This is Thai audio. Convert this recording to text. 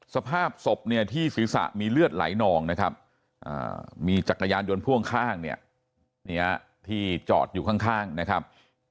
สภาพศพเนี่ยที่ศีรษะมีเลือดไหลนองนะครับมีจักรยานยนต์พ่วงข้างเนี่ยที่จอดอยู่ข้างนะครับ